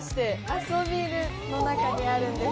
アソビルの中にあるんです。